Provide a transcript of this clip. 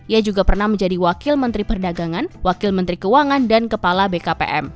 ia juga pernah menjadi wakil menteri perdagangan wakil menteri keuangan dan kepala bkpm